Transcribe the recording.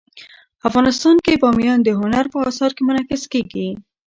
افغانستان کې بامیان د هنر په اثار کې منعکس کېږي.